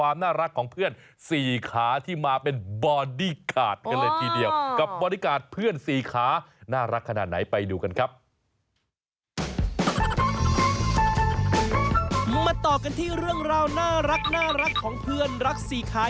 มาต่อกันที่เรื่องราวน่ารักของเพื่อนรักสี่ขา